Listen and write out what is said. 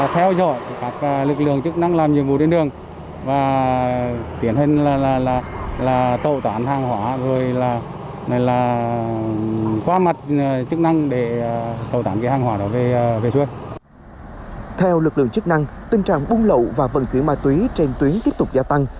theo lực lượng chức năng tình trạng buôn lậu và vận chuyển ma túy trên tuyến tiếp tục gia tăng